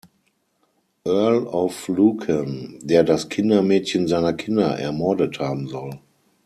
Earl of Lucan, der das Kindermädchen seiner Kinder ermordet haben soll.